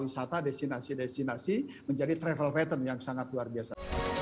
jadi ini bisa menjadi travel pattern yang sangat luar biasa